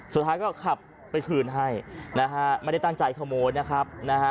สุดท้ายก็ขับไปคืนให้นะฮะไม่ได้ตั้งใจขโมยนะครับนะฮะ